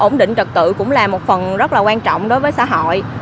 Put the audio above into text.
ổn định trật tự cũng là một phần rất là quan trọng đối với xã hội